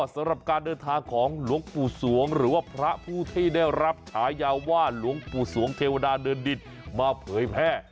สำหรับการเดินทางของหลวงปู่สวงหรือว่าพระผู้ที่ได้รับฉายาว่าหลวงปู่สวงเทวดาเดินดินมาเผยแพร่